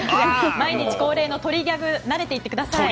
毎日恒例の鳥ギャグ慣れていってください。